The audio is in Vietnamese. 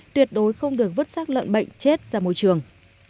tuyệt đối không được vứt sát lợn bệnh chết ra môi trường